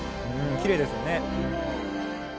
きれいですよね。